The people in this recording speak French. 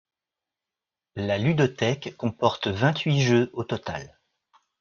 La ludothèque comporte vingt-huit jeux au total.